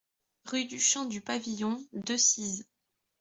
Rue du Champ du Pavillon, Decize